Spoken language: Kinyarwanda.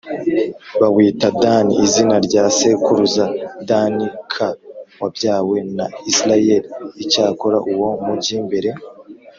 bawita Dani izina rya sekuruza Dani k wabyawe na Isirayeli l Icyakora uwo mugi mbere